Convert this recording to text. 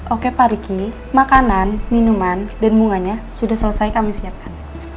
oke pak riki makanan minuman dan bunganya sudah selesai kami siapkan